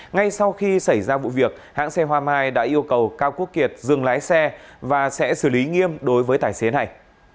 ngay sau khi xảy ra vụ việc hãng xe hoa mai đã yêu cầu cao quốc kiệt dừng lái xe và sẽ xử lý nghiêm đối với tài xế này